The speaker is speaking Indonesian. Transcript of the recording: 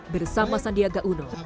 bersama sandiaga uno